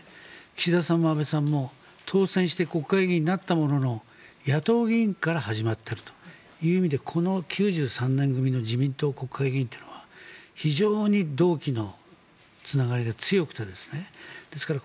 岸田さんも安倍さんも当選して国会議員になったものの野党議員から始まっているという意味でこの９３年組の自民党国会議員というのは非常に同期のつながりが強くてですね。